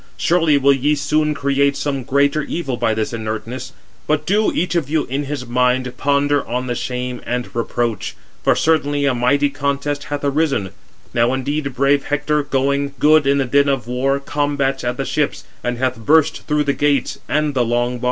surely will ye soon create some greater evil by this inertness: but do each of you in his mind ponder on the shame and reproach; for certainly a mighty contest hath arisen. Now indeed brave Hector, good in the din of war, combats at the ships, and hath burst through the gates and the long bar." Footnote 415: (return) Τὸ γεγονὸς ἀμάρτημα: Schol.